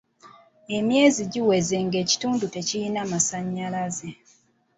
Emyezi giweze ng'ekitundu tekirina masannyalaze.